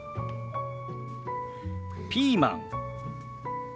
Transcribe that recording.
ピーマン。